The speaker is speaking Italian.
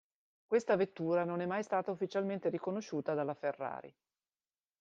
Questa vettura non è mai stata ufficialmente riconosciuta dalla Ferrari.